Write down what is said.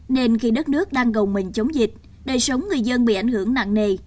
nên khi đất nước đang gồng mình chống dịch đời sống người dân bị ảnh hưởng nặng nề